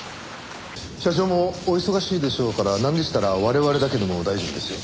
社長もお忙しいでしょうからなんでしたら我々だけでも大丈夫ですよ。